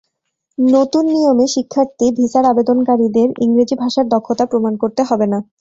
নতুন নিয়মে শিক্ষার্থী ভিসার আবেদনকারীদের ইংরেজি ভাষার দক্ষতা প্রমাণ করতে হবে না।